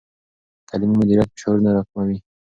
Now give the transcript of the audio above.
تعلیمي مدیریت فشارونه راکموي.